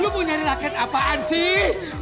lo mau nyari raket apaan sih